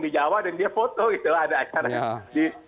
di jawa dan dia foto gitu ada di